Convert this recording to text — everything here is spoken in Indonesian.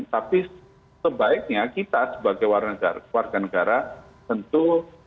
tapi sebaiknya kita sebagai warga negara tentu